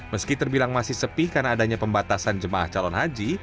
meski terbilang masih sepi karena adanya pembatasan jemaah calon haji